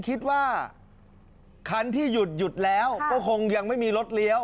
คิดว่าคันที่หยุดหยุดแล้วก็คงยังไม่มีรถเลี้ยว